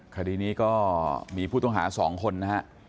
คดีนี้ก็มีผู้ต้องหา๒คนนะฮะ